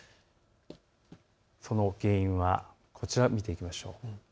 その原因はこちらを見ていきましょう。